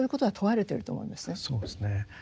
そうですね。